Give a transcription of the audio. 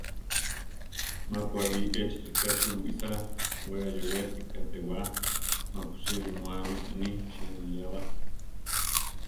Mapu alí echi rika suwísa, we ayóweti katéwa, mapusí rimúami aní chí aniyába.